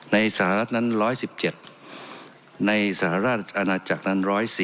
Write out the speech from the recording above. สหรัฐนั้น๑๑๗ในสหราชอาณาจักรนั้น๑๔๐